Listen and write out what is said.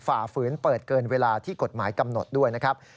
ฝ่าฝืนเปิดเกินเวลาที่กฎหมายกำหนดด้วยนะครับ